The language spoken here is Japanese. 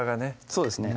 そうですね